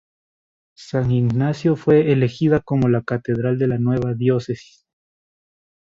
San Ignacio fue elegida como la catedral de la nueva diócesis.